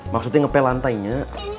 maksudnya ngepel lantainya